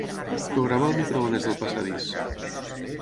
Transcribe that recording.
Programa el microones del passadís.